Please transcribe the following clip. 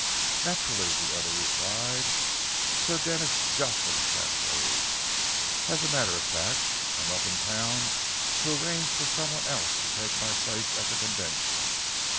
"Naturally," the other replied "Sir Denis Jocelyn Cathley. As a matter of fact, I am up in town to arrange for some one else to take my place at the Convention.